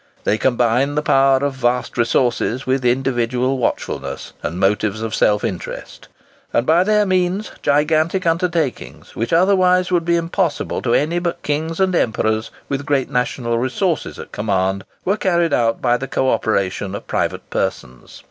They combine the power of vast resources with individual watchfulness and motives of self interest; and by their means gigantic undertakings, which otherwise would be impossible to any but kings and emperors with great national resources at command, were carried out by the co operation of private persons.